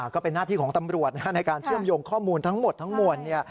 ก็เป็นหน้าที่ของตำรวจในการเชื่อมโยงข้อมูลทั้งหมดทั้งมวล